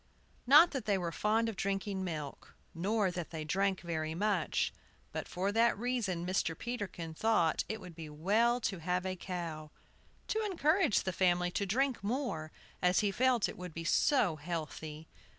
NOT that they were fond of drinking milk, nor that they drank very much. But for that reason Mr. Peterkin thought it would be well to have a cow, to encourage the family to drink more, as he felt it would be so healthy.